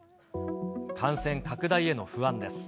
感染拡大への不安です。